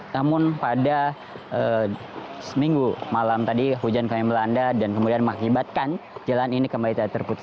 namun pada seminggu malam tadi hujan kami melanda dan kemudian mengakibatkan jalan ini kembali terputus